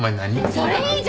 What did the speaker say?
それいいじゃん！